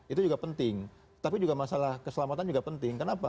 itu juga penting tapi juga masalah keselamatan juga penting kenapa